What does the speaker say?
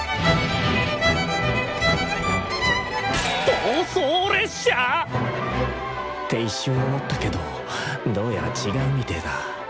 暴走列車！？って一瞬思ったけどどうやら違うみてだ。